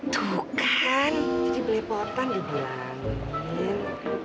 tuh kan jadi pelepotan dibilangin